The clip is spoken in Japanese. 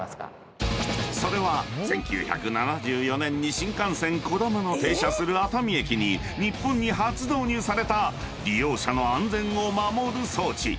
［それは１９７４年に新幹線こだまの停車する熱海駅に日本に初導入された利用者の安全を守る装置］